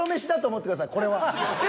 これは。